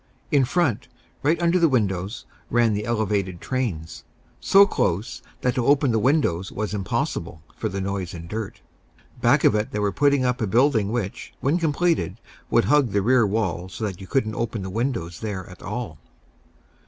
In front, right under the windows, ran the elevated trains, so close that to open the windows was impossible, for the noise and dirt. Back of it they were putting up a building which, when completed, would hug the rear wall so that you couldn't open the windows there at all.